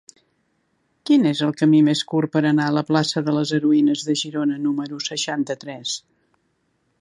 Quin és el camí més curt per anar a la plaça de les Heroïnes de Girona número seixanta-tres?